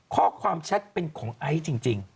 ข้อความแชทเป็นของไอ้จริง